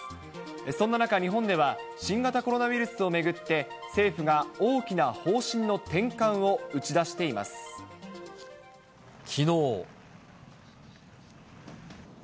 そんな中、日本では新型コロナウイルスを巡って政府が大きな方針の転換を打きのう。